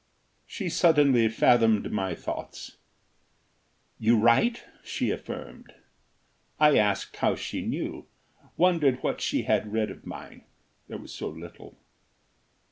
She suddenly fathomed my thoughts: "You write," she affirmed. I asked how she knew, wondered what she had read of mine there was so little.